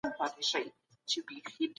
د ژبپوهنې اړيکې له ادب سره تر نورو نږدې دي.